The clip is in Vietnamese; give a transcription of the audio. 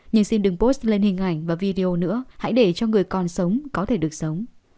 nhưng xin đừng post lên hình ảnh và video nữa hãy để cho người còn sống có thể được sống